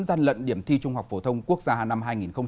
gian lận điểm thi trung học phổ thông quốc gia năm hai nghìn một mươi chín